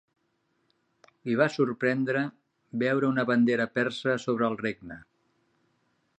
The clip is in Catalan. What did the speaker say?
Li va sorprendre veure una bandera persa sobre el regne.